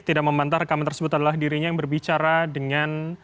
tidak membantah rekaman tersebut adalah dirinya yang berbicara dengan